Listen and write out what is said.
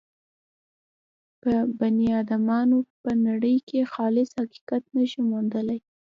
په بني ادمانو به نړۍ کې خالص حقیقت نه شو موندلای.